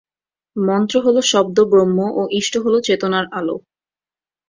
মন্ত্র হল শব্দ ব্রহ্ম ও ইষ্ট হল চেতনার আলো।